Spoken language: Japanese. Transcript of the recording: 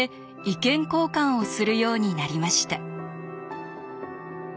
意見交換をするようになりました。